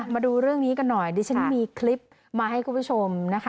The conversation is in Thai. มาดูเรื่องนี้กันหน่อยดิฉันมีคลิปมาให้คุณผู้ชมนะคะ